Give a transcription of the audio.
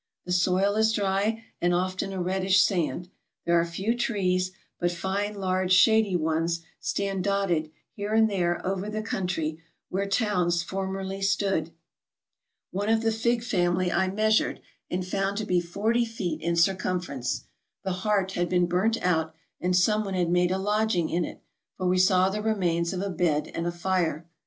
The soil is dry, and often a reddish sand ; there are few trees, but fine large shady ones stand dotted here and there 390 TRAVELERS AND EXPLORERS over the country where towns formerly stood. One of the fig family I measured, and found to be forty feet in circum ference ; the heart had been burnt out, and some one had made a lodging in it, for we saw the remains of a bed and a fire.